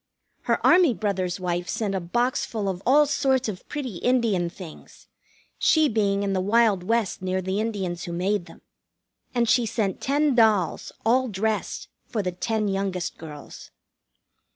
Her Army brother's wife sent a box full of all sorts of pretty Indian things, she being in the wild West near the Indians who made them. And she sent ten dolls, all dressed, for the ten youngest girls.